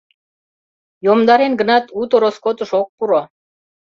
Йомдарен гынат, уто роскотыш ок пуро.